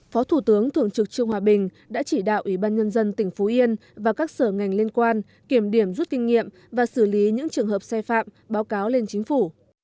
phó thủ tướng thường trực trương hòa bình đã chỉ đạo ủy ban nhân dân tỉnh phú yên và các sở ngành liên quan kiểm điểm rút kinh nghiệm và xử lý những trường hợp xe phạm báo cáo lên chính phủ